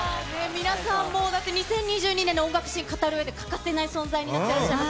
皆さんもう、だって２０２２年の音楽シーン語るうえで欠かせない存在になっていらっしゃいます。